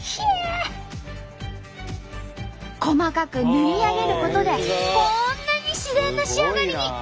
細かく縫い上げることでこんなに自然な仕上がりに。